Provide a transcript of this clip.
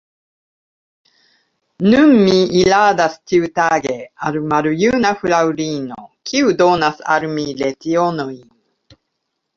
Nun mi iradas ĉiutage al maljuna fraŭlino, kiu donas al mi lecionojn.